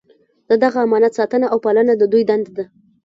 د دغه امانت ساتنه او پالنه د دوی دنده ده.